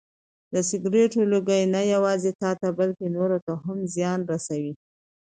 د سګرټو لوګی نه یوازې تاته بلکې نورو ته هم زیان رسوي.